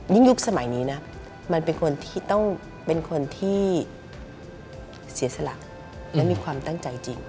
ยุคสมัยนี้นะมันเป็นคนที่ต้องเป็นคนที่เสียสละและมีความตั้งใจจริง